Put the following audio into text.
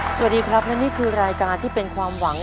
สวัสดีครับและนี่คือรายการที่เป็นความหวัง